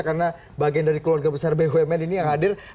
karena bagian dari keluarga besar bumn ini yang hadir